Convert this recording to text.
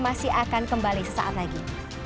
masih akan kembali sesaat lagi